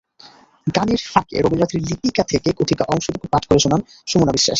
গানের ফাঁকে রবীন্দ্রনাথের লিপিকা থেকে কথিকা অংশটুকু পাঠ করে শোনান সুমনা বিশ্বাস।